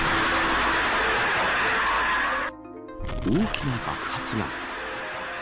大きな爆発が。